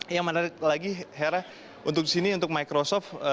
yang menarik lagi hera untuk sini untuk microsoft